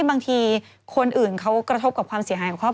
ปธเครืออะไรครับคุณครับ